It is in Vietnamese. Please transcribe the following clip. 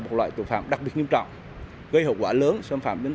vì vậy nước lâm đang b evaluation